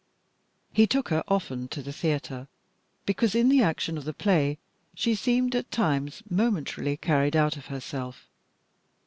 He took her often to the theatre, because in the action of the play she seemed at times momentarily carried out of herself.